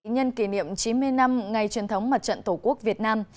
nhân kỷ niệm chín mươi năm ngày truyền thống mặt trận tổ quốc việt nam